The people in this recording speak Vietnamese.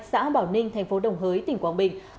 xã bảo ninh tp đồng hới tỉnh quảng bình